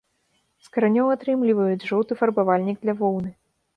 З каранёў атрымліваюць жоўты фарбавальнік для воўны.